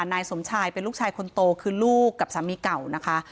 นายสมชายเป็นลูกชายคนโตคือลูกกับสามีเก่านะคะ